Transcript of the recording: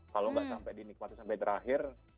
kalau tidak sampai dinikmati sampai terakhir